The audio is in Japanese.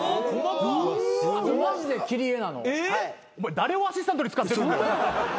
誰をアシスタントに使ってるんだよ。